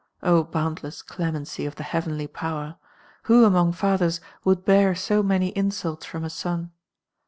O boundless clemency of the heavenly power 1 Who among fathers would bear so many insults from a son